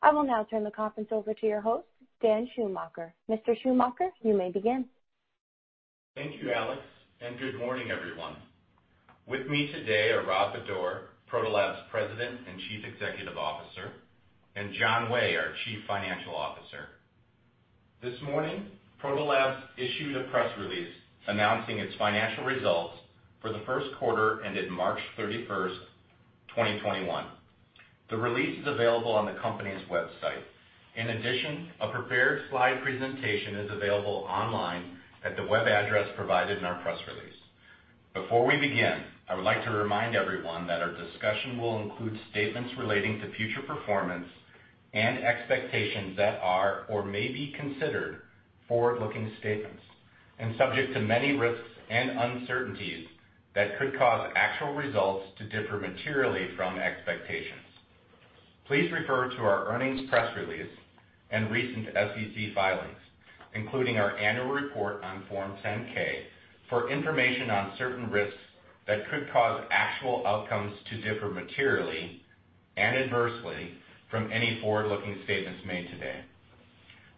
I will now turn the conference over to your host, Dan Schumacher. Mr. Schumacher, you may begin. Thank you, Alex. Good morning, everyone. With me today are Rob Bodor, Proto Labs President and Chief Executive Officer, and John Way, our Chief Financial Officer. This morning, Proto Labs issued a press release announcing its financial results for the first quarter ended March 31st, 2021. The release is available on the company's website. In addition, a prepared slide presentation is available online at the web address provided in our press release. Before we begin, I would like to remind everyone that our discussion will include statements relating to future performance and expectations that are or may be considered forward-looking statements and subject to many risks and uncertainties that could cause actual results to differ materially from expectations. Please refer to our earnings press release and recent SEC filings, including our annual report on Form 10-K, for information on certain risks that could cause actual outcomes to differ materially and adversely from any forward-looking statements made today.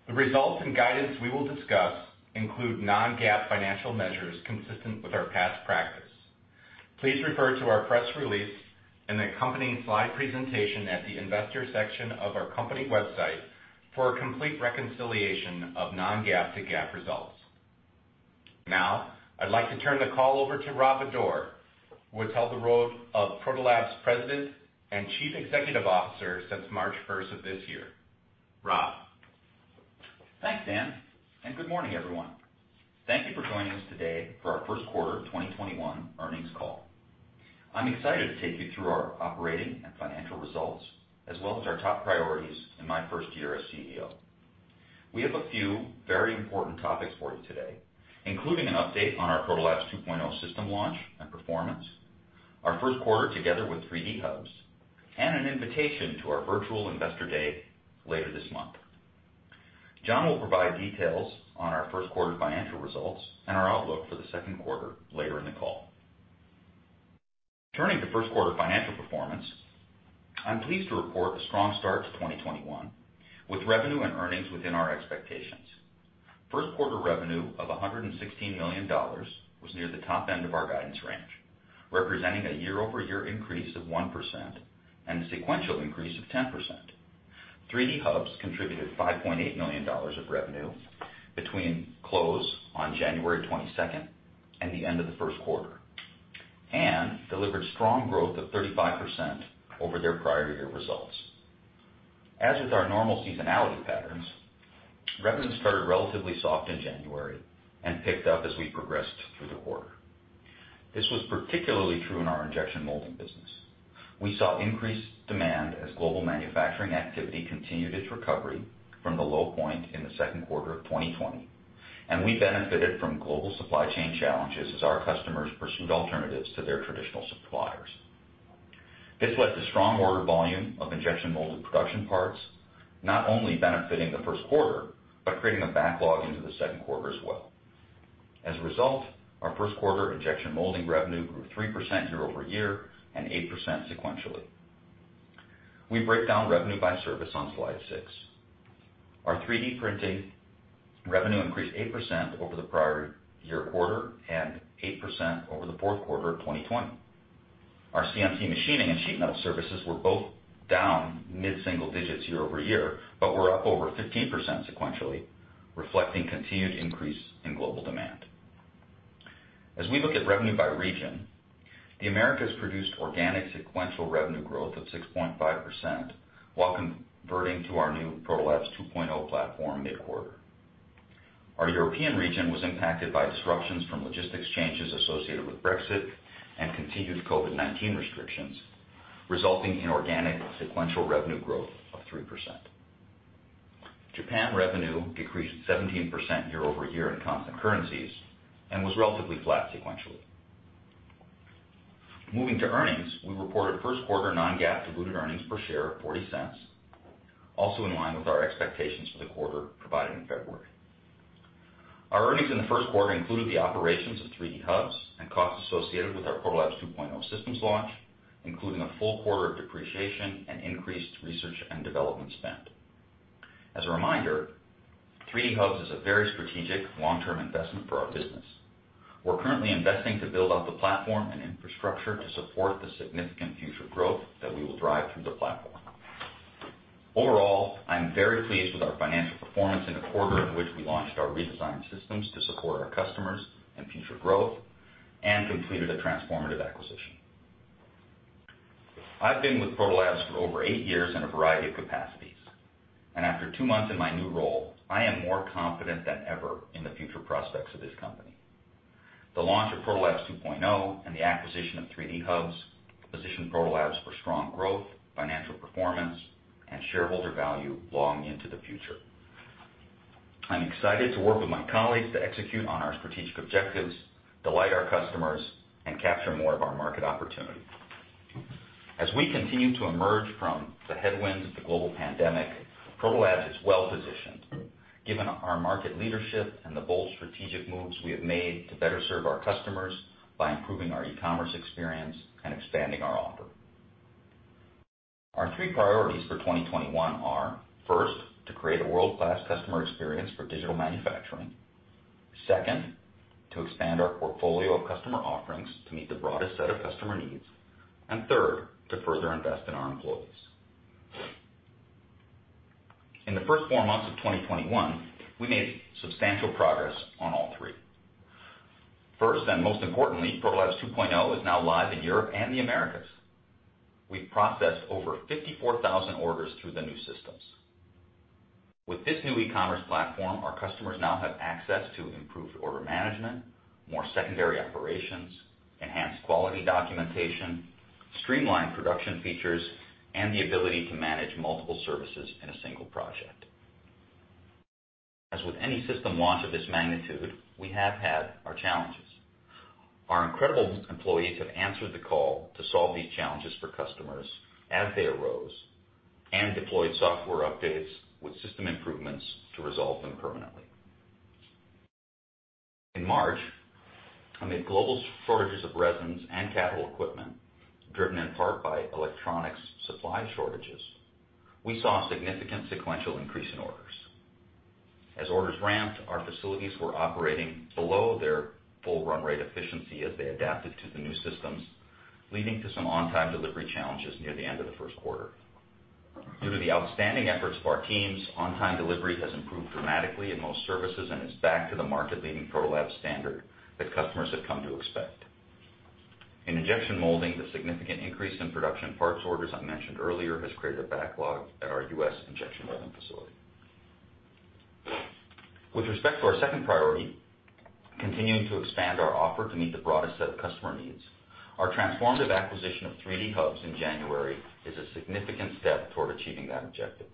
The results and guidance we will discuss include non-GAAP financial measures consistent with our past practice. Please refer to our press release and accompanying slide presentation at the investor section of our company website for a complete reconciliation of non-GAAP to GAAP results. Now, I'd like to turn the call over to Rob Bodor, who has held the role of Proto Labs President and Chief Executive Officer since March 1st of this year. Rob. Thanks, Dan. Good morning, everyone. Thank you for joining us today for our first quarter of 2021 earnings call. I'm excited to take you through our operating and financial results, as well as our top priorities in my first year as CEO. We have a few very important topics for you today, including an update on our Protolabs 2.0 system launch and performance, our first quarter together with 3D Hubs, and an invitation to our virtual investor day later this month. John will provide details on our first quarter financial results and our outlook for the second quarter later in the call. Turning to first quarter financial performance, I'm pleased to report a strong start to 2021, with revenue and earnings within our expectations. First quarter revenue of $116 million was near the top end of our guidance range, representing a year-over-year increase of 1% and a sequential increase of 10%. 3D Hubs contributed $5.8 million of revenue between close on January 22nd and the end of the first quarter and delivered strong growth of 35% over their prior year results. As with our normal seasonality patterns, revenue started relatively soft in January and picked up as we progressed through the quarter. This was particularly true in our injection molding business. We saw increased demand as global manufacturing activity continued its recovery from the low point in the second quarter of 2020, and we benefited from global supply chain challenges as our customers pursued alternatives to their traditional suppliers. This led to strong order volume of injection molded production parts, not only benefiting the first quarter, but creating a backlog into the second quarter as well. As a result, our first quarter injection molding revenue grew 3% year-over-year and 8% sequentially. We break down revenue by service on slide six. Our 3D printing revenue increased 8% over the prior year quarter and 8% over the fourth quarter of 2020. Our CNC machining and sheet metal services were both down mid-single digits year-over-year, but were up over 15% sequentially, reflecting continued increase in global demand. As we look at revenue by region, the Americas produced organic sequential revenue growth of 6.5% while converting to our new Protolabs 2.0 platform mid-quarter. Our European region was impacted by disruptions from logistics changes associated with Brexit and continued COVID-19 restrictions, resulting in organic sequential revenue growth of 3%. Japan revenue decreased 17% year-over-year in constant currencies and was relatively flat sequentially. Moving to earnings, we reported first quarter non-GAAP diluted earnings per share of $0.40, also in line with our expectations for the quarter provided in February. Our earnings in the first quarter included the operations of 3D Hubs and costs associated with our Protolabs 2.0 systems launch, including a full quarter of depreciation and increased research and development spend. As a reminder, 3D Hubs is a very strategic long-term investment for our business. We're currently investing to build out the platform and infrastructure to support the significant future growth that we will drive through the platform. Overall, I'm very pleased with our financial performance in a quarter in which we launched our redesigned systems to support our customers and future growth and completed a transformative acquisition. I've been with Proto Labs for over eight years in a variety of capacities, and after two months in my new role, I am more confident than ever in the future prospects of this company. The launch of Protolabs 2.0 and the acquisition of 3D Hubs position Proto Labs for strong growth, financial performance, and shareholder value long into the future. I'm excited to work with my colleagues to execute on our strategic objectives, delight our customers, and capture more of our market opportunity. As we continue to emerge from the headwinds of the global pandemic, Proto Labs is well-positioned given our market leadership and the bold strategic moves we have made to better serve our customers by improving our e-commerce experience and expanding our offer. Our three priorities for 2021 are, first, to create a world-class customer experience for digital manufacturing. Second, to expand our portfolio of customer offerings to meet the broadest set of customer needs. Third, to further invest in our employees. In the first four months of 2021, we made substantial progress on all three. First, and most importantly, Protolabs 2.0 is now live in Europe and the Americas. We've processed over 54,000 orders through the new systems. With this new e-commerce platform, our customers now have access to improved order management, more secondary operations, enhanced quality documentation, streamlined production features, and the ability to manage multiple services in a single project. As with any system launch of this magnitude, we have had our challenges. Our incredible employees have answered the call to solve these challenges for customers as they arose and deployed software updates with system improvements to resolve them permanently. In March, amid global shortages of resins and capital equipment, driven in part by electronics supply shortages, we saw a significant sequential increase in orders. As orders ramped, our facilities were operating below their full run rate efficiency as they adapted to the new systems, leading to some on-time delivery challenges near the end of the first quarter. Due to the outstanding efforts of our teams, on-time delivery has improved dramatically in most services and is back to the market-leading Proto Labs standard that customers have come to expect. In injection molding, the significant increase in production parts orders I mentioned earlier has created a backlog at our U.S. injection molding facility. With respect to our second priority, continuing to expand our offer to meet the broadest set of customer needs, our transformative acquisition of 3D Hubs in January is a significant step toward achieving that objective.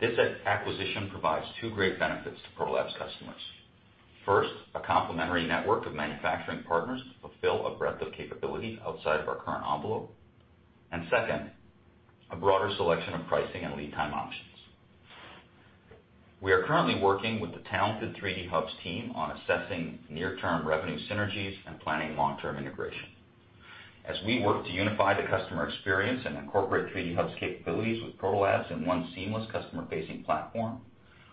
This acquisition provides two great benefits to Proto Labs customers. First, a complementary network of manufacturing partners to fulfill a breadth of capability outside of our current envelope. Second, a broader selection of pricing and lead time options. We are currently working with the talented 3D Hubs team on assessing near-term revenue synergies and planning long-term integration. As we work to unify the customer experience and incorporate 3D Hubs capabilities with Proto Labs in one seamless customer-facing platform,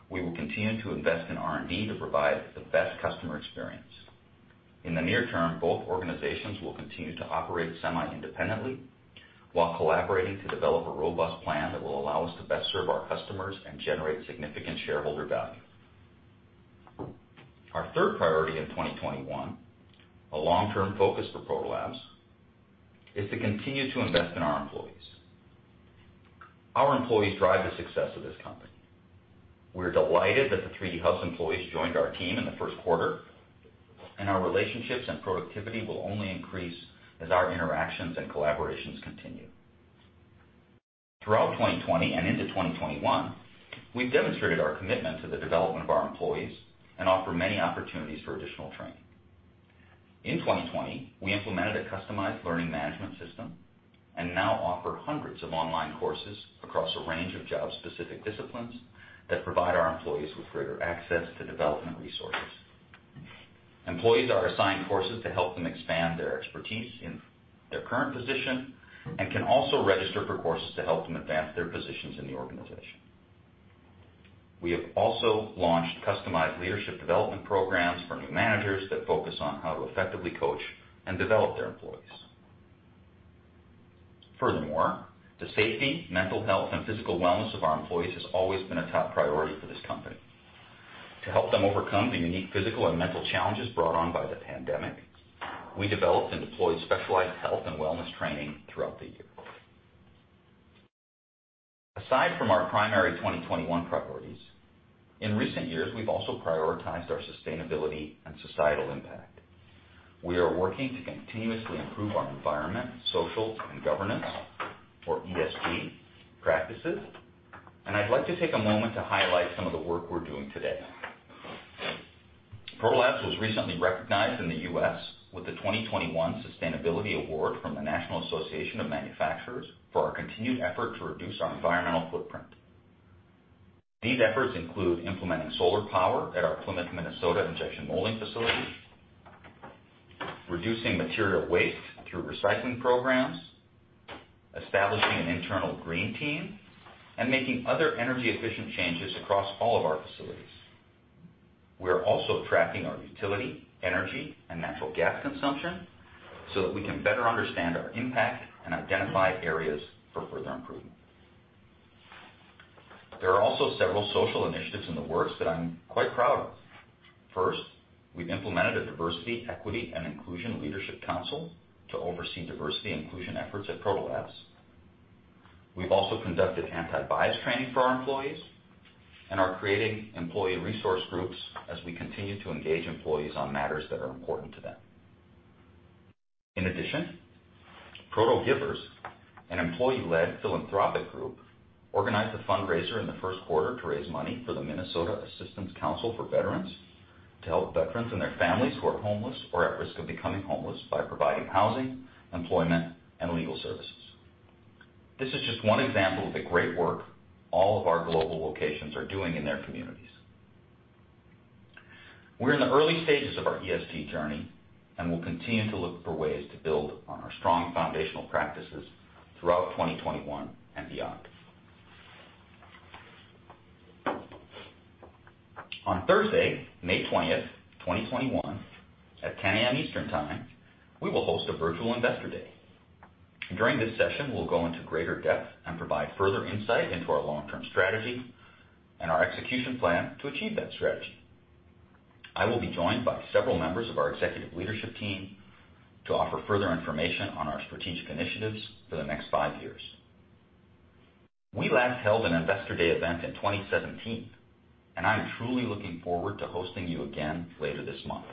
we will continue to invest in R&D to provide the best customer experience. In the near term, both organizations will continue to operate semi-independently while collaborating to develop a robust plan that will allow us to best serve our customers and generate significant shareholder value. Our third priority in 2021, a long-term focus for Proto Labs, is to continue to invest in our employees. Our employees drive the success of this company. We're delighted that the 3D Hubs employees joined our team in the first quarter, and our relationships and productivity will only increase as our interactions and collaborations continue. Throughout 2020 and into 2021, we've demonstrated our commitment to the development of our employees and offer many opportunities for additional training. In 2020, we implemented a customized learning management system and now offer hundreds of online courses across a range of job-specific disciplines that provide our employees with greater access to development resources. Employees are assigned courses to help them expand their expertise in their current position and can also register for courses to help them advance their positions in the organization. We have also launched customized leadership development programs for new managers that focus on how to effectively coach and develop their employees. Furthermore, the safety, mental health, and physical wellness of our employees has always been a top priority for this company. To help them overcome the unique physical and mental challenges brought on by the pandemic, we developed and deployed specialized health and wellness training throughout the year. Aside from our primary 2021 priorities, in recent years, we've also prioritized our sustainability and societal impact. We are working to continuously improve our environment, social, and governance, or ESG practices, and I'd like to take a moment to highlight some of the work we're doing today. Proto Labs was recently recognized in the U.S. with the 2021 Sustainability Award from the National Association of Manufacturers for our continued effort to reduce our environmental footprint. These efforts include implementing solar power at our Plymouth, Minnesota injection molding facility, reducing material waste through recycling programs, establishing an internal green team, and making other energy-efficient changes across all of our facilities. We are also tracking our utility, energy, and natural gas consumption so that we can better understand our impact and identify areas for further improvement. There are also several social initiatives in the works that I'm quite proud of. First, we've implemented a diversity, equity, and inclusion leadership council to oversee diversity and inclusion efforts at Proto Labs. We've also conducted anti-bias training for our employees and are creating employee resource groups as we continue to engage employees on matters that are important to them. In addition, ProtoGivers, an employee-led philanthropic group, organized a fundraiser in the first quarter to raise money for the Minnesota Assistance Council for Veterans to help veterans and their families who are homeless or at risk of becoming homeless by providing housing, employment, and legal services. This is just one example of the great work all of our global locations are doing in their communities. We're in the early stages of our ESG journey, and we'll continue to look for ways to build on our strong foundational practices throughout 2021 and beyond. On Thursday, May 20th, 2021 at 10:00 A.M. Eastern Time, we will host a virtual investor day. During this session, we'll go into greater depth and provide further insight into our long-term strategy and our execution plan to achieve that strategy. I will be joined by several members of our executive leadership team to offer further information on our strategic initiatives for the next five years. We last held an investor day event in 2017, and I'm truly looking forward to hosting you again later this month.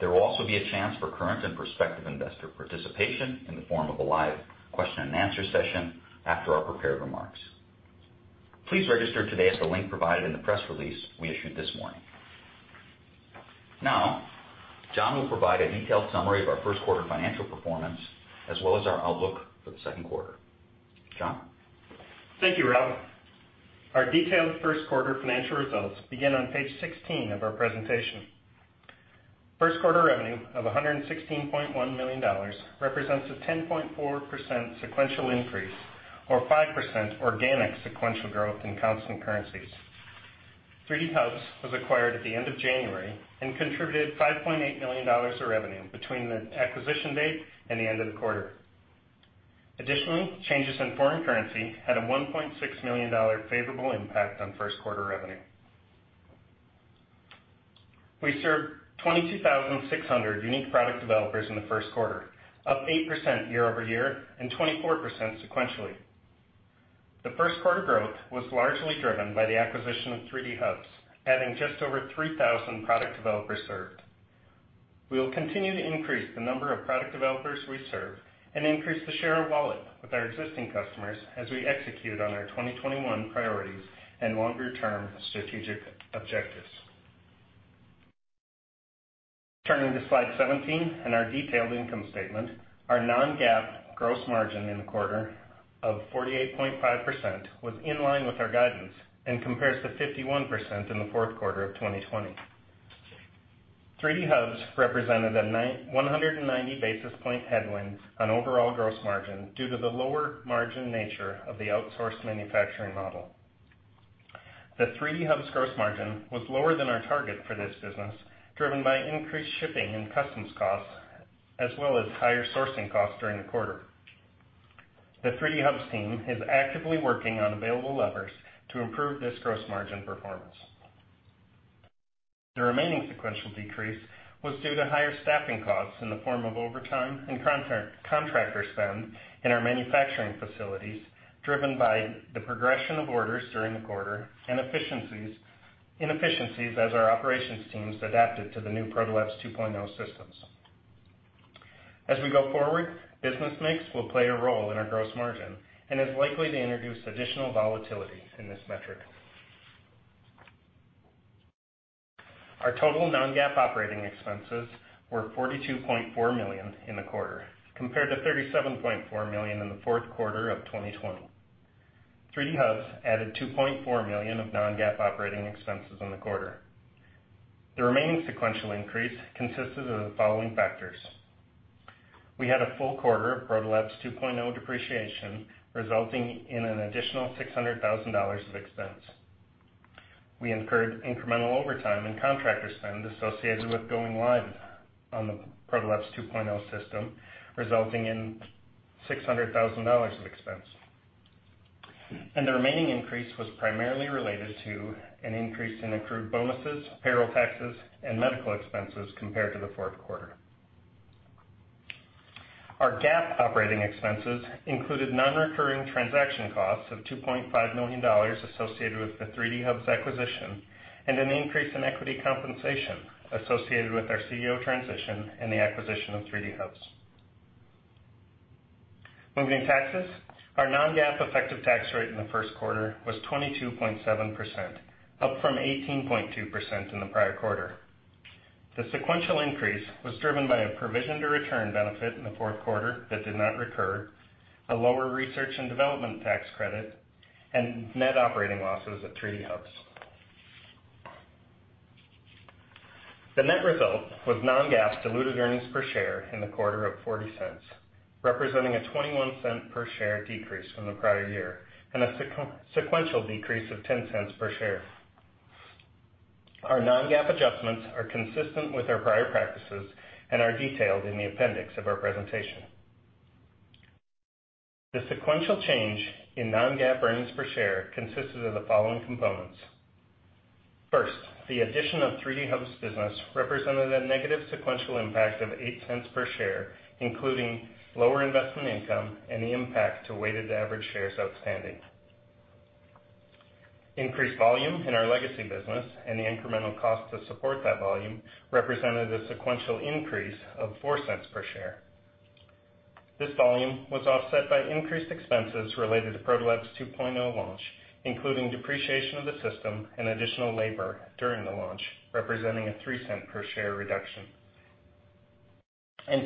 There will also be a chance for current and prospective investor participation in the form of a live question and answer session after our prepared remarks. Please register today at the link provided in the press release we issued this morning. Now, John will provide a detailed summary of our first quarter financial performance as well as our outlook for the second quarter. John? Thank you, Rob. Our detailed first quarter financial results begin on page 16 of our presentation. First quarter revenue of $116.1 million represents a 10.4% sequential increase or 5% organic sequential growth in constant currencies. 3D Hubs was acquired at the end of January and contributed $5.8 million of revenue between the acquisition date and the end of the quarter. Additionally, changes in foreign currency had a $1.6 million favorable impact on first quarter revenue. We served 22,600 unique product developers in the first quarter, up 8% year-over-year and 24% sequentially. The first quarter growth was largely driven by the acquisition of 3D Hubs, adding just over 3,000 product developers served. We will continue to increase the number of product developers we serve and increase the share of wallet with our existing customers as we execute on our 2021 priorities and longer-term strategic objectives. Turning to slide 17 and our detailed income statement. Our non-GAAP gross margin in the quarter of 48.5% was in line with our guidance and compares to 51% in the fourth quarter of 2020. 3D Hubs represented a 190 basis point headwind on overall gross margin due to the lower margin nature of the outsourced manufacturing model. The 3D Hubs gross margin was lower than our target for this business, driven by increased shipping and customs costs, as well as higher sourcing costs during the quarter. The 3D Hubs team is actively working on available levers to improve this gross margin performance. The remaining sequential decrease was due to higher staffing costs in the form of overtime and contractor spend in our manufacturing facilities, driven by the progression of orders during the quarter and inefficiencies as our operations teams adapted to the new Protolabs 2.0 systems. As we go forward, business mix will play a role in our gross margin and is likely to introduce additional volatility in this metric. Our total non-GAAP operating expenses were $42.4 million in the quarter, compared to $37.4 million in the fourth quarter of 2020. 3D Hubs added $2.4 million of non-GAAP operating expenses in the quarter. The remaining sequential increase consisted of the following factors. We had a full quarter of Protolabs 2.0 depreciation, resulting in an additional $600,000 of expense. We incurred incremental overtime and contractor spend associated with going live on the Protolabs 2.0 system, resulting in $600,000 of expense. The remaining increase was primarily related to an increase in accrued bonuses, payroll taxes, and medical expenses compared to the fourth quarter. Our GAAP operating expenses included non-recurring transaction costs of $2.5 million associated with the 3D Hubs acquisition and an increase in equity compensation associated with our CEO transition and the acquisition of 3D Hubs. Moving to taxes. Our non-GAAP effective tax rate in the first quarter was 22.7%, up from 18.2% in the prior quarter. The sequential increase was driven by a provision to return benefit in the fourth quarter that did not recur, a lower research and development tax credit, and net operating losses at 3D Hubs. The net result was non-GAAP diluted earnings per share in the quarter of $0.40, representing a $0.21 per share decrease from the prior year and a sequential decrease of $0.10 per share. Our non-GAAP adjustments are consistent with our prior practices and are detailed in the appendix of our presentation. The sequential change in non-GAAP earnings per share consisted of the following components. First, the addition of 3D Hubs business represented a negative sequential impact of $0.08 per share, including lower investment income and the impact to weighted average shares outstanding. Increased volume in our legacy business and the incremental cost to support that volume represented a sequential increase of $0.04 per share. This volume was offset by increased expenses related to Protolabs 2.0 launch, including depreciation of the system and additional labor during the launch, representing a $0.03 per share reduction.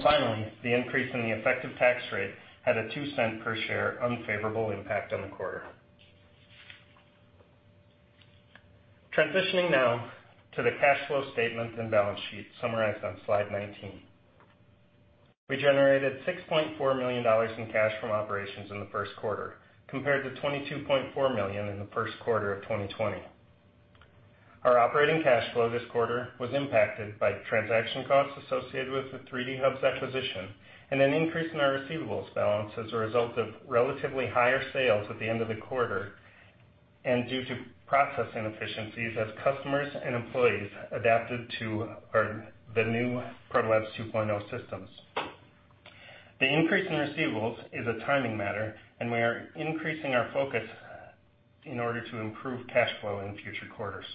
Finally, the increase in the effective tax rate had a $0.02 per share unfavorable impact on the quarter. Transitioning now to the cash flow statement and balance sheet summarized on slide 19. We generated $6.4 million in cash from operations in the first quarter, compared to $22.4 million in the first quarter of 2020. Our operating cash flow this quarter was impacted by transaction costs associated with the 3D Hubs acquisition and an increase in our receivables balance as a result of relatively higher sales at the end of the quarter, and due to processing efficiencies as customers and employees adapted to the new Protolabs 2.0 systems. The increase in receivables is a timing matter, and we are increasing our focus in order to improve cash flow in future quarters.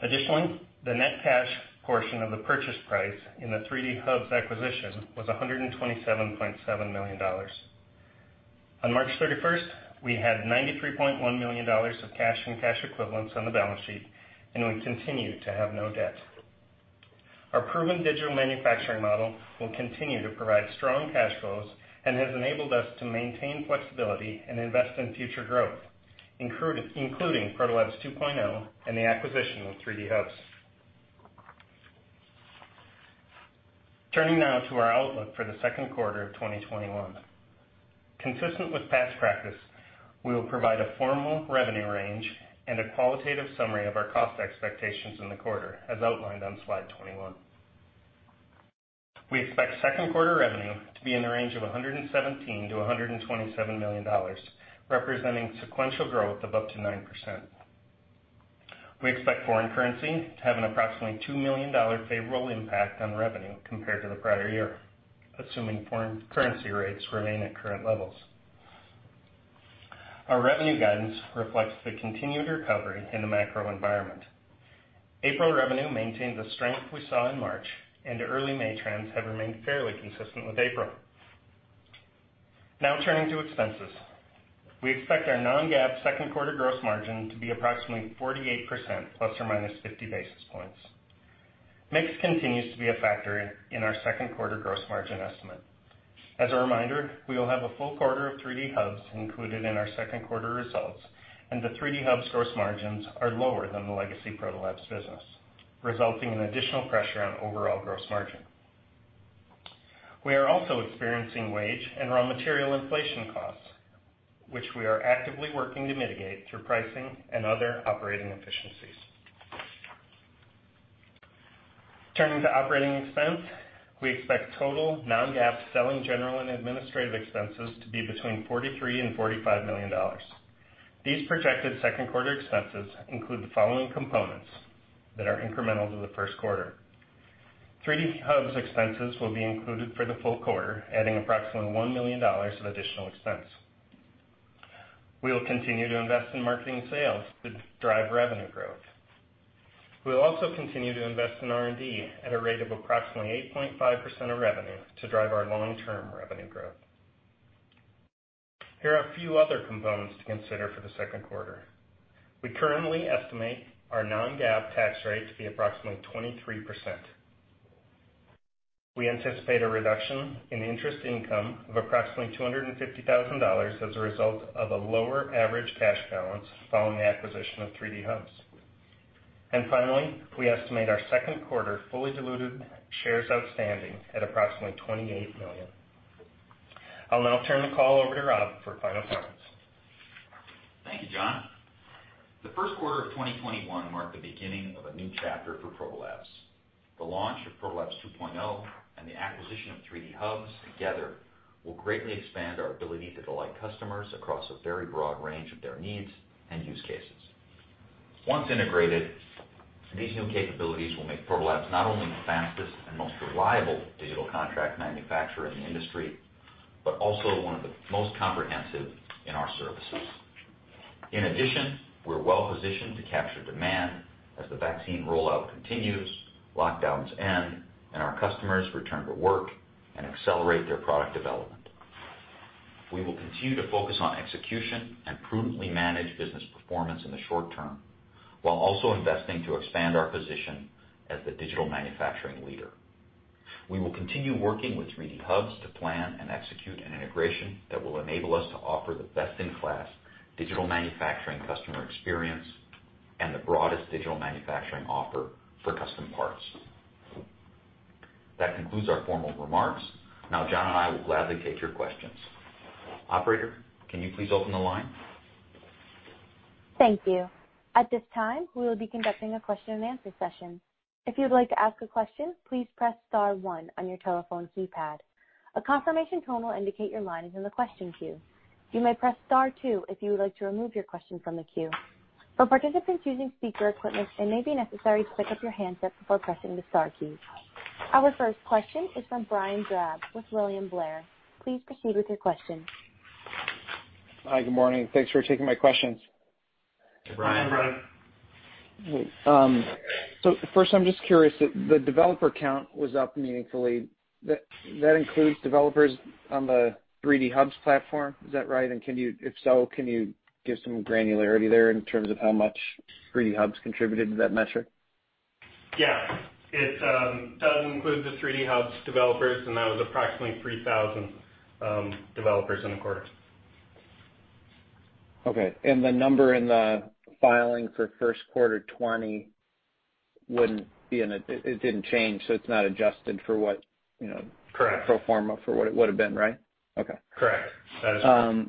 Additionally, the net cash portion of the purchase price in the 3D Hubs acquisition was $127.7 million. On March 31st, we had $93.1 million of cash and cash equivalents on the balance sheet, and we continue to have no debt. Our proven digital manufacturing model will continue to provide strong cash flows and has enabled us to maintain flexibility and invest in future growth, including Protolabs 2.0 and the acquisition of 3D Hubs. Turning now to our outlook for the second quarter of 2021. Consistent with past practice, we will provide a formal revenue range and a qualitative summary of our cost expectations in the quarter, as outlined on slide 21. We expect second quarter revenue to be in the range of $117 million-$127 million, representing sequential growth of up to 9%. We expect foreign currency to have an approximately $2 million favorable impact on revenue compared to the prior year, assuming foreign currency rates remain at current levels. Our revenue guidance reflects the continued recovery in the macro environment. April revenue maintained the strength we saw in March. Early May trends have remained fairly consistent with April. Now turning to expenses. We expect our non-GAAP second quarter gross margin to be approximately 48%, plus or minus 50 basis points. Mix continues to be a factor in our second quarter gross margin estimate. As a reminder, we will have a full quarter of 3D Hubs included in our second quarter results, and the 3D Hubs gross margins are lower than the legacy Proto Labs business, resulting in additional pressure on overall gross margin. We are also experiencing wage and raw material inflation costs, which we are actively working to mitigate through pricing and other operating efficiencies. Turning to operating expense. We expect total non-GAAP selling general and administrative expenses to be between $43 and $45 million. These projected second quarter expenses include the following components that are incremental to the first quarter. 3D Hubs expenses will be included for the full quarter, adding approximately $1 million of additional expense. We will continue to invest in marketing sales to drive revenue growth. We will also continue to invest in R&D at a rate of approximately 8.5% of revenue to drive our long-term revenue growth. Here are a few other components to consider for the second quarter. We currently estimate our non-GAAP tax rate to be approximately 23%. We anticipate a reduction in interest income of approximately $250,000 as a result of a lower average cash balance following the acquisition of 3D Hubs. Finally, we estimate our second quarter fully diluted shares outstanding at approximately 28 million. I'll now turn the call over to Rob for final comments. Thank you, John. The first quarter of 2021 marked the beginning of a new chapter for Proto Labs. The launch of Protolabs 2.0 and the acquisition of 3D Hubs together will greatly expand our ability to delight customers across a very broad range of their needs and use cases. Once integrated, these new capabilities will make Proto Labs not only the fastest and most reliable digital contract manufacturer in the industry, but also one of the most comprehensive in our services. In addition, we're well-positioned to capture demand as the vaccine rollout continues, lockdowns end, and our customers return to work and accelerate their product development. We will continue to focus on execution and prudently manage business performance in the short term, while also investing to expand our position as the digital manufacturing leader. We will continue working with 3D Hubs to plan and execute an integration that will enable us to offer the best-in-class digital manufacturing customer experience and the broadest digital manufacturing offer for custom parts. That concludes our formal remarks. Now John and I will gladly take your questions. Operator, can you please open the line? Thank you. At this time, we will be conducting a question and answer session. If you'd like to ask a question, please press star one on your telephone keypad. A confirmation tone will indicate your line is in the question queue. You may press star two if you would like to remove your question from the queue. For participants using speaker equipment, it may be necessary to pick up your handset before pressing the star keys. Our first question is from Brian Drab with William Blair. Please proceed with your question. Hi, good morning. Thanks for taking my questions. Hey, Brian. Hi, Brian. First, I'm just curious that the developer count was up meaningfully. That includes developers on the 3D Hubs platform, is that right? If so, can you give some granularity there in terms of how much 3D Hubs contributed to that metric? Yeah. It does include the 3D Hubs developers, and that was approximately 3,000 developers in the quarter. Okay. The number in the filing for first quarter 2020 wouldn't be in it. It didn't change, so it's not adjusted for. Correct. Pro forma for what it would've been, right? Okay. Correct. That is correct.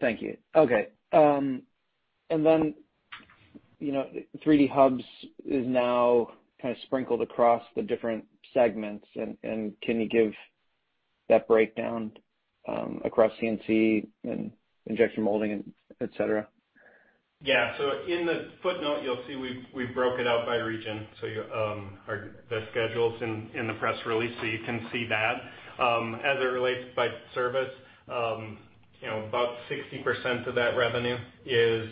Thank you. Okay. 3D Hubs is now kind of sprinkled across the different segments. Can you give that breakdown across CNC and injection molding, et cetera? Yeah. In the footnote, you'll see we've broke it out by region, the schedules in the press release, so you can see that. As it relates by service, about 60% of that revenue is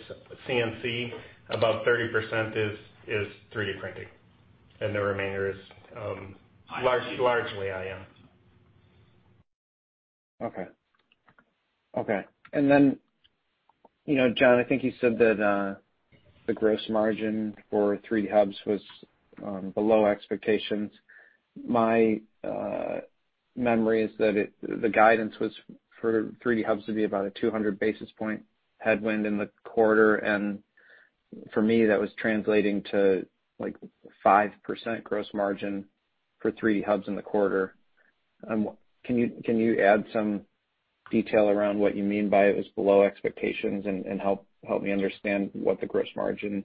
CNC, about 30% is 3D printing, and the remainder is largely IM. Okay. John, I think you said that the gross margin for 3D Hubs was below expectations. My memory is that the guidance was for 3D Hubs to be about a 200 basis point headwind in the quarter, for me, that was translating to 5% gross margin for 3D Hubs in the quarter. Can you add some detail around what you mean by it was below expectations, help me understand what the gross margin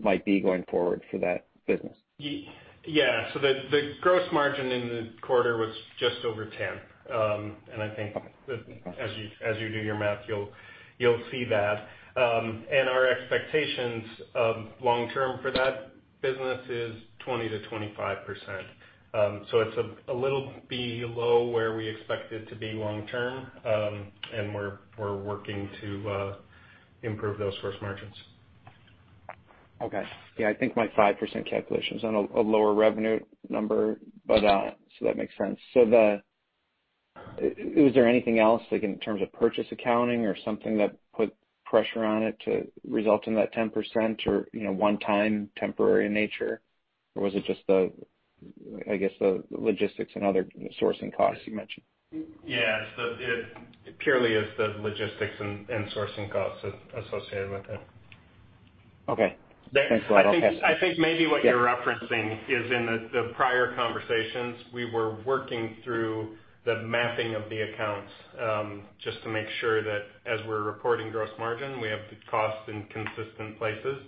might be going forward for that business? Yeah. The gross margin in the quarter was just over 10%. I think that as you do your math, you'll see that. Our expectations long term for that business is 20%-25%. It's a little below where we expect it to be long term. We're working to improve those gross margins. Okay. Yeah, I think my 5% calculation's on a lower revenue number. That makes sense. Was there anything else, like in terms of purchase accounting or something that put pressure on it to result in that 10%, or one-time temporary in nature? Was it just the, I guess, the logistics and other sourcing costs you mentioned? Yeah. It purely is the logistics and sourcing costs associated with it. Okay. Thanks a lot. I think maybe what you're referencing is in the prior conversations, we were working through the mapping of the accounts, just to make sure that as we're reporting gross margin, we have the costs in consistent places.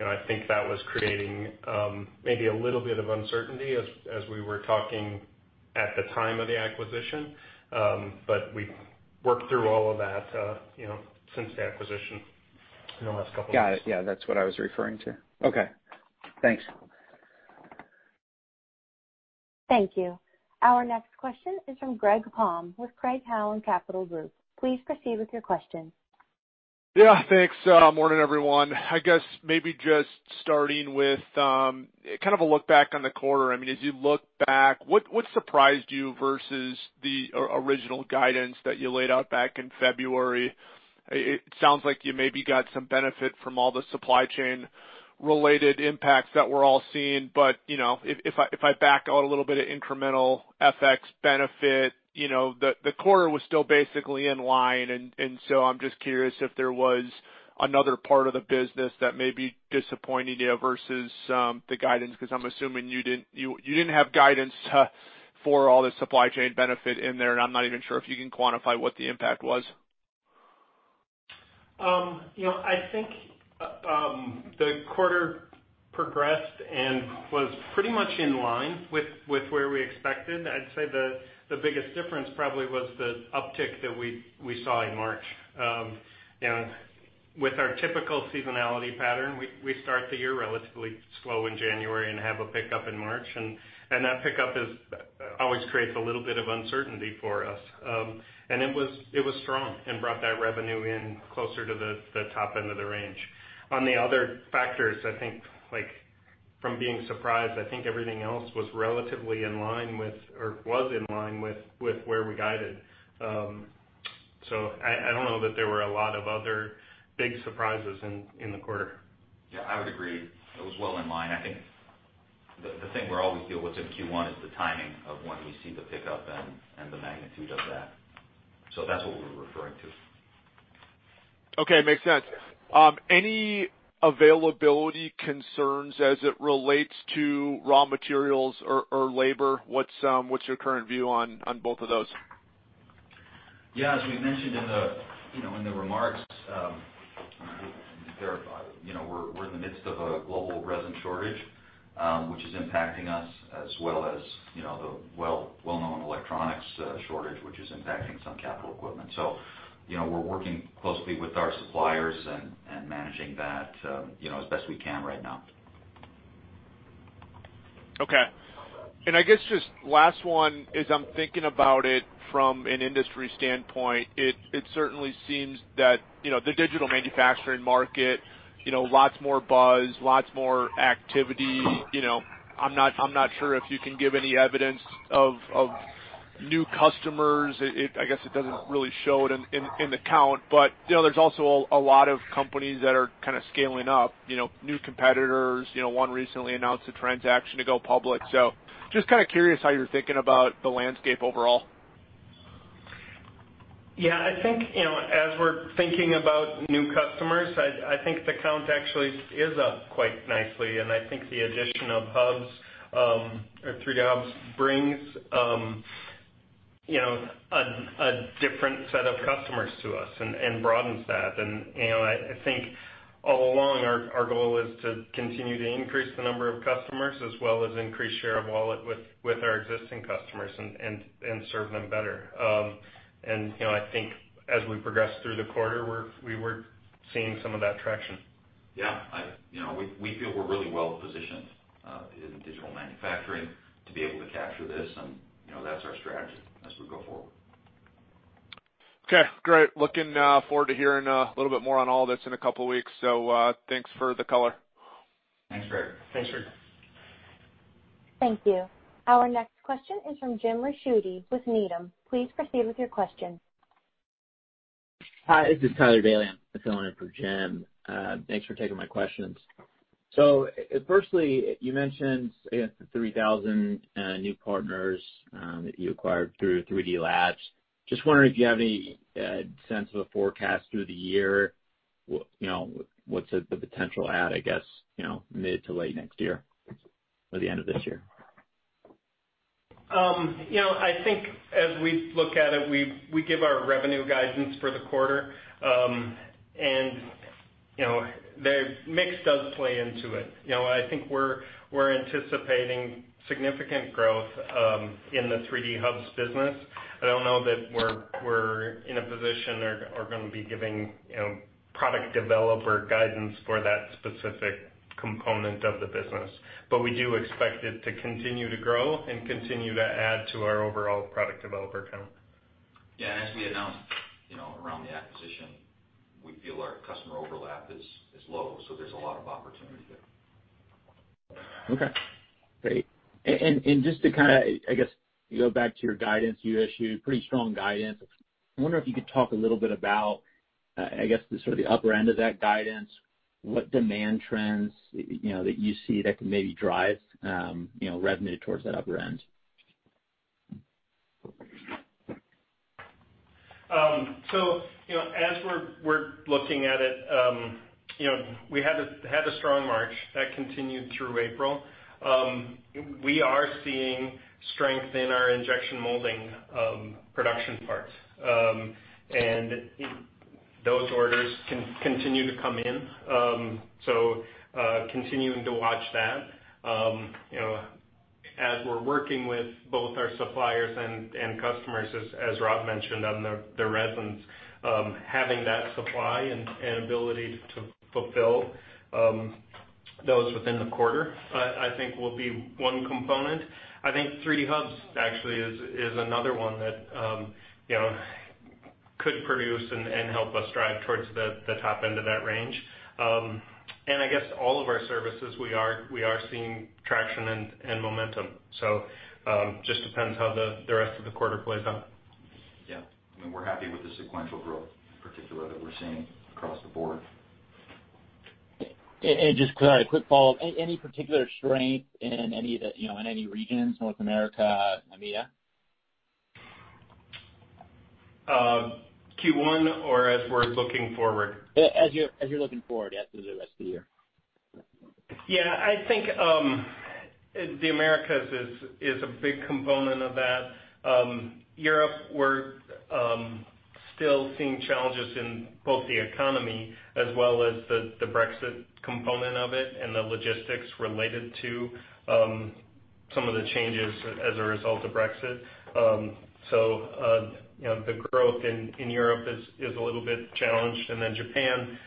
I think that was creating maybe a little bit of uncertainty as we were talking at the time of the acquisition. We've worked through all of that since the acquisition in the last couple of years. Got it. Yeah, that's what I was referring to. Okay, thanks. Thank you. Our next question is from Greg Palm with Craig-Hallum Capital Group. Please proceed with your question. Yeah, thanks. Morning, everyone. I guess maybe just starting with kind of a look back on the quarter. As you look back, what surprised you versus the original guidance that you laid out back in February? It sounds like you maybe got some benefit from all the supply chain related impacts that we're all seeing, but if I back out a little bit of incremental FX benefit, the quarter was still basically in line. I'm just curious if there was another part of the business that may be disappointing you versus the guidance, because I'm assuming you didn't have guidance for all the supply chain benefit in there, and I'm not even sure if you can quantify what the impact was. I think the quarter progressed and was pretty much in line with where we expected. I'd say the biggest difference probably was the uptick that we saw in March. With our typical seasonality pattern, we start the year relatively slow in January and have a pickup in March, That pickup always creates a little bit of uncertainty for us. It was strong and brought that revenue in closer to the top end of the range. On the other factors, I think from being surprised, I think everything else was relatively in line with, or was in line with where we guided. I don't know that there were a lot of other big surprises in the quarter. Yeah, I would agree. It was well in line. I think the thing we always deal with in Q1 is the timing of when we see the pickup and the magnitude of that. That's what we were referring to. Okay. Makes sense. Any availability concerns as it relates to raw materials or labor? What's your current view on both of those? Yeah, as we mentioned in the remarks, we're in the midst of a global resin shortage, which is impacting us as well as the well-known electronics shortage, which is impacting some capital equipment. We're working closely with our suppliers and managing that as best we can right now. Okay. I guess just last one, as I'm thinking about it from an industry standpoint, it certainly seems that the digital manufacturing market, lots more buzz, lots more activity. I'm not sure if you can give any evidence of new customers. I guess it doesn't really show it in the count. There's also a lot of companies that are scaling up, new competitors. One recently announced a transaction to go public. Just kind of curious how you're thinking about the landscape overall. Yeah, I think, as we're thinking about new customers, I think the count actually is up quite nicely, and I think the addition of hubs, or 3D Hubs, brings a different set of customers to us and broadens that. I think all along, our goal is to continue to increase the number of customers as well as increase share of wallet with our existing customers and serve them better. I think as we progress through the quarter, we're seeing some of that traction. Yeah. We feel we're really well-positioned, in digital manufacturing to be able to capture this and that's our strategy as we go forward. Okay, great. Looking forward to hearing a little bit more on all this in a couple of weeks. Thanks for the color. Thanks, Greg. Thanks, Greg. Thank you. Our next question is from James Ricchiuti with Needham. Please proceed with your question. Hi, this is [David Williams]. I'm filling in for Jim. Thanks for taking my questions. Firstly, you mentioned, I guess the 3,000 new partners that you acquired through 3D Hubs. Just wondering if you have any sense of a forecast through the year, what's the potential add, I guess, mid to late next year or the end of this year? I think as we look at it, we give our revenue guidance for the quarter, and the mix does play into it. I think we're anticipating significant growth in the 3D Hubs business. I don't know that we're in a position or are going to be giving product developer guidance for that specific component of the business. We do expect it to continue to grow and continue to add to our overall product developer count. Yeah, as we announced around the acquisition, we feel our customer overlap is low, so there's a lot of opportunity there. Okay, great. Just to kind of, I guess, go back to your guidance, you issued pretty strong guidance. I wonder if you could talk a little bit about, I guess, the sort of the upper end of that guidance, what demand trends that you see that could maybe drive revenue towards that upper end? As we're looking at it, we had a strong March that continued through April. We are seeing strength in our injection molding production parts, and those orders continue to come in. Continuing to watch that. As we're working with both our suppliers and customers, as Rob mentioned on the resins, having that supply and ability to fulfill those within the quarter, I think will be one component. I think 3D Hubs actually is another one that could produce and help us drive towards the top end of that range. I guess all of our services, we are seeing traction and momentum. Just depends how the rest of the quarter plays out. Yeah. We're happy with the sequential growth, in particular, that we're seeing across the board. Just kind of a quick follow-up, any particular strength in any regions, North America, EMEA? Q1 or as we're looking forward? As you're looking forward, yeah, through the rest of the year. Yeah, I think, the Americas is a big component of that. Europe, we're still seeing challenges in both the economy as well as the Brexit component of it and the logistics related to some of the changes as a result of Brexit. The growth in Europe is a little bit challenged. Japan,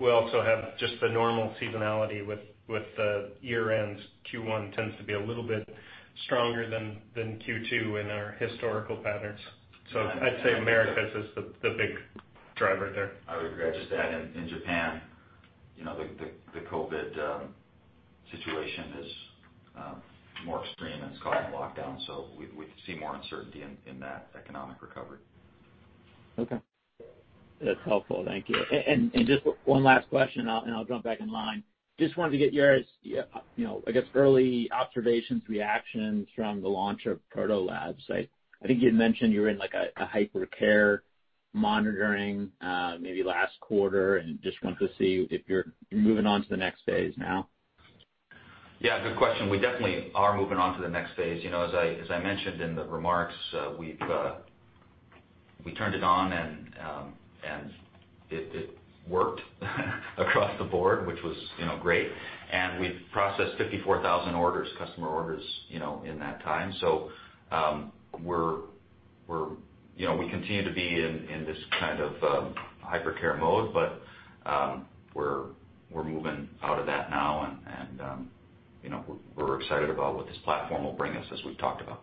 we also have just the normal seasonality with the year ends. Q1 tends to be a little bit stronger than Q2 in our historical patterns. I'd say Americas is the big driver there. I would agree. I'd just add, in Japan, the COVID situation is more extreme and it's causing lockdowns, so we see more uncertainty in that economic recovery. Okay. That's helpful. Thank you. Just one last question, and I'll jump back in line. Just wanted to get your, I guess, early observations, reactions from the launch of Proto Labs. I think you'd mentioned you were in like a hypercare monitoring maybe last quarter, and just wanted to see if you're moving on to the next phase now. Yeah, good question. We definitely are moving on to the next phase. As I mentioned in the remarks, we turned it on and it worked across the board, which was great. We've processed 54,000 orders, customer orders, in that time. We continue to be in this kind of hypercare mode, but we're moving out of that now, and we're excited about what this platform will bring us as we've talked about.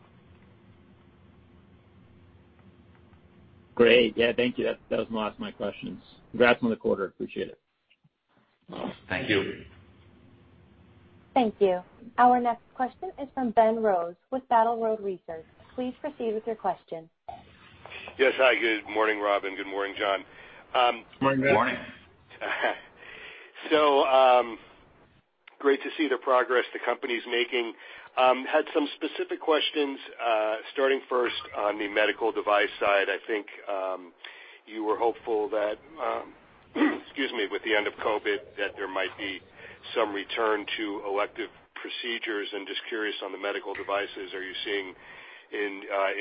Great. Yeah, thank you. That was my last my questions. Congrats on the quarter. Appreciate it. Thank you. Thank you. Our next question is from Ben Rose with Battle Road Research. Please proceed with your question. Yes, hi. Good morning, Rob, and good morning, John. Morning, Ben. Morning. Great to see the progress the company's making. Had some specific questions, starting first on the medical device side. I think, you were hopeful that excuse me, with the end of COVID, that there might be some return to elective procedures, and just curious on the medical devices, are you seeing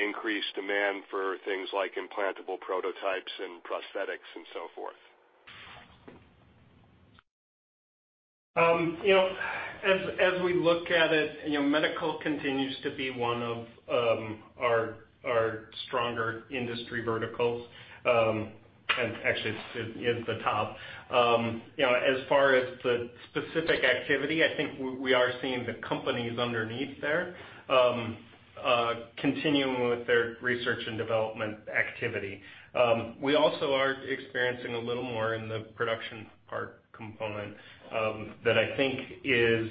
increased demand for things like implantable prototypes and prosthetics and so forth? As we look at it, medical continues to be one of our stronger industry verticals, and actually it is the top. As far as the specific activity, I think we are seeing the companies underneath there continuing with their research and development activity. We also are experiencing a little more in the production part component, that I think is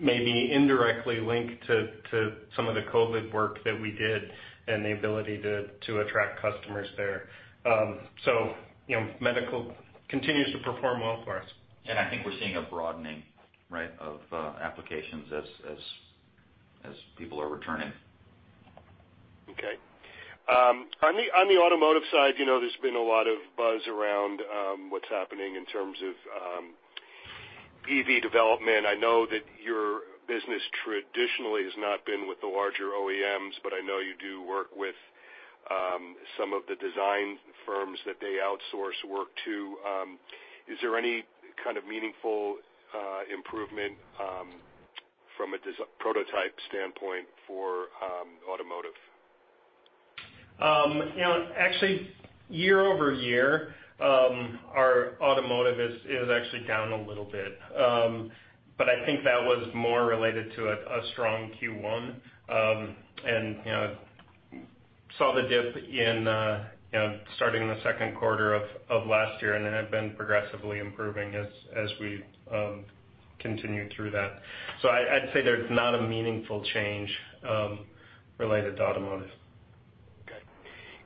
maybe indirectly linked to some of the COVID work that we did and the ability to attract customers there. Medical continues to perform well for us. I think we're seeing a broadening, right, of applications as people are returning. Okay. On the automotive side, there's been a lot of buzz around what's happening in terms of EV development. I know that your business traditionally has not been with the larger OEMs, but I know you do work with some of the design firms that they outsource work to. Is there any kind of meaningful improvement from a prototype standpoint for automotive? Actually, year-over-year, our automotive is actually down a little bit. I think that was more related to a strong Q1. Saw the dip in starting the second quarter of last year, and then have been progressively improving as we continue through that. I'd say there's not a meaningful change related to automotive.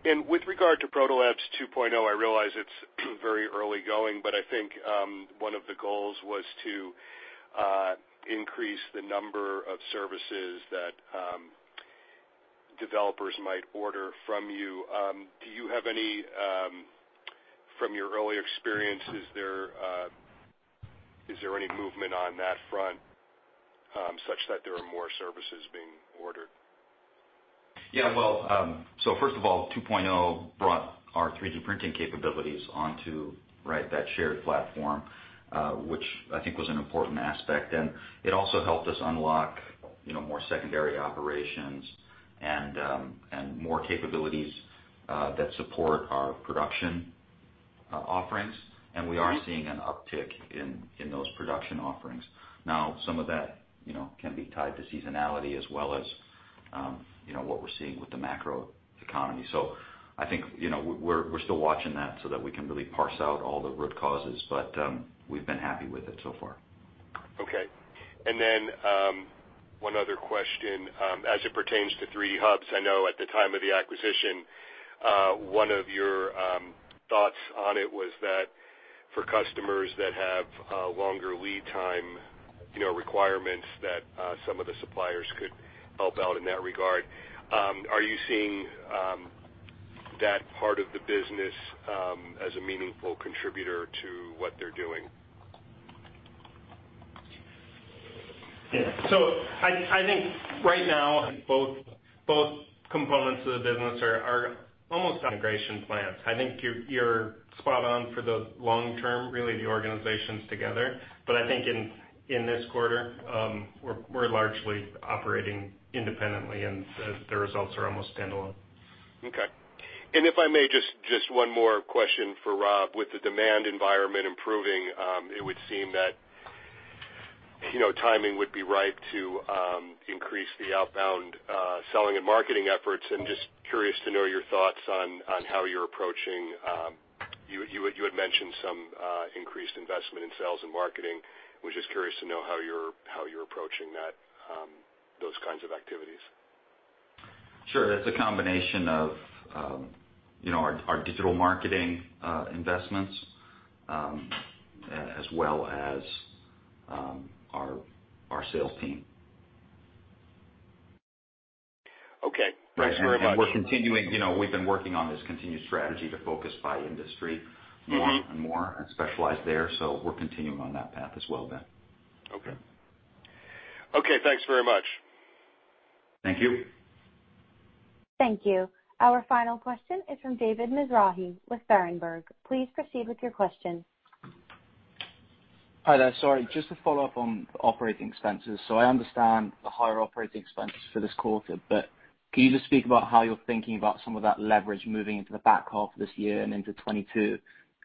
Okay. With regard to Protolabs 2.0, I realize it's very early going, but I think, one of the goals was to increase the number of services that developers might order from you. Do you have any, from your early experiences there, is there any movement on that front, such that there are more services being ordered? Well, first of all, 2.0 brought our 3D printing capabilities onto that shared platform, which I think was an important aspect. It also helped us unlock more secondary operations and more capabilities that support our production offerings. We are seeing an uptick in those production offerings. Some of that can be tied to seasonality as well as what we're seeing with the macro economy. I think, we're still watching that so that we can really parse out all the root causes, but, we've been happy with it so far. Okay. One other question. As it pertains to 3D Hubs, I know at the time of the acquisition, one of your thoughts on it was that for customers that have longer lead time requirements, that some of the suppliers could help out in that regard. Are you seeing that part of the business as a meaningful contributor to what they're doing? Yeah. I think right now both components of the business are almost on integration plans. I think you're spot on for the long term, really, the organizations together. I think in this quarter, we're largely operating independently, and the results are almost standalone. Okay. If I may, just one more question for Rob. With the demand environment improving, it would seem that timing would be ripe to increase the outbound selling and marketing efforts, and just curious to know your thoughts on how you're approaching. You had mentioned some increased investment in sales and marketing. Was just curious to know how you're approaching those kinds of activities? Sure. It's a combination of our digital marketing investments, as well as our sales team. Okay. Thanks very much. We've been working on this continued strategy to focus by industry more and more and specialize there, we're continuing on that path as well, Ben. Okay. Okay, thanks very much. Thank you. Thank you. Our final question is from David Mizrahi with Berenberg. Please proceed with your question. Hi there. Sorry, just to follow up on the operating expenses. I understand the higher operating expense for this quarter, but can you just speak about how you're thinking about some of that leverage moving into the back half of this year and into 2022?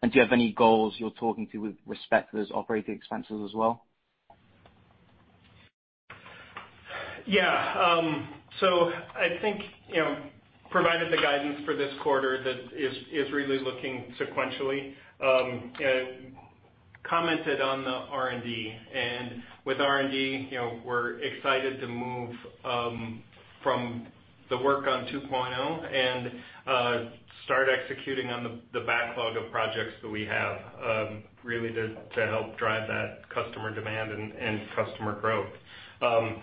Do you have any goals you're talking to with respect to those operating expenses as well? Yeah. I think, provided the guidance for this quarter that is really looking sequentially, commented on the R&D. With R&D, we're excited to move from the work on 2.0 and start executing on the backlog of projects that we have really to help drive that customer demand and customer growth.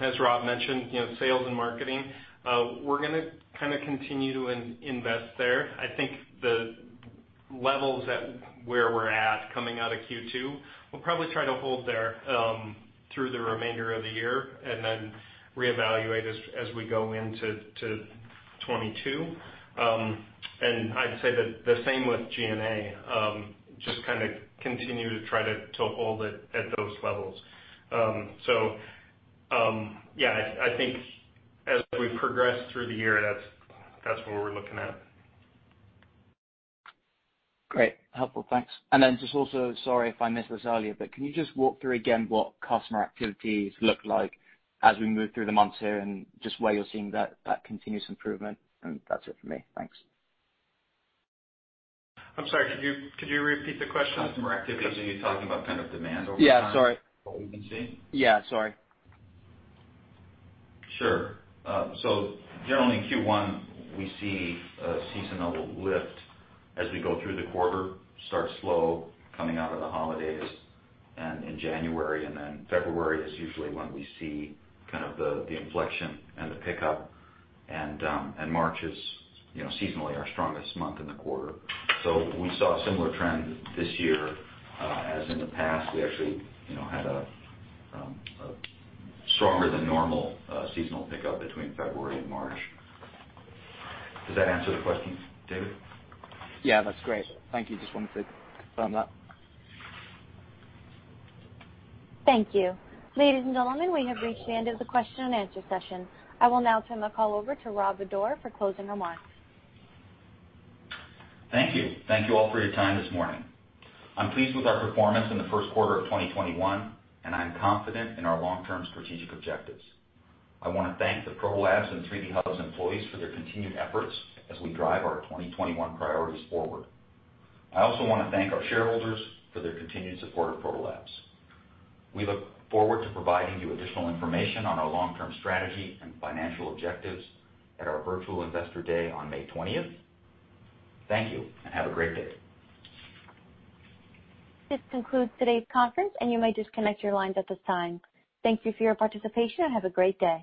As Rob mentioned, sales and marketing, we're going to kind of continue to invest there. I think the levels at where we're at coming out of Q2, we'll probably try to hold there through the remainder of the year then reevaluate as we go into 2022. I'd say the same with G&A, just kind of continue to try to hold it at those levels. Yeah, I think as we progress through the year, that's what we're looking at. Great. Helpful. Thanks. Then just also, sorry if I missed this earlier, but can you just walk through again what customer activities look like as we move through the months here and just where you're seeing that continuous improvement? That's it for me. Thanks. I'm sorry, could you repeat the question? Customer activities, are you talking about kind of demand over time? Yeah, sorry. what we've been seeing? Yeah, sorry. Sure. Generally in Q1, we see a seasonal lift as we go through the quarter. Starts slow coming out of the holidays and in January, then February is usually when we see kind of the inflection and the pickup, March is seasonally our strongest month in the quarter. We saw a similar trend this year. As in the past, we actually had a stronger than normal seasonal pickup between February and March. Does that answer the question, David? Yeah, that's great. Thank you. Just wanted to confirm that. Thank you. Ladies and gentlemen, we have reached the end of the question and answer session. I will now turn the call over to Rob Bodor for closing remarks. Thank you. Thank you all for your time this morning. I'm pleased with our performance in the first quarter of 2021, and I'm confident in our long-term strategic objectives. I want to thank the Proto Labs and 3D Hubs employees for their continued efforts as we drive our 2021 priorities forward. I also want to thank our shareholders for their continued support of Proto Labs. We look forward to providing you additional information on our long-term strategy and financial objectives at our virtual Investor Day on May 20th. Thank you, and have a great day. This concludes today's conference, and you may disconnect your lines at this time. Thank you for your participation, and have a great day.